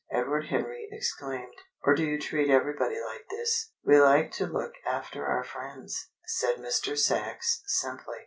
Edward Henry exclaimed. "Or do you treat everybody like this?" "We like to look after our friends," said Mr. Sachs simply.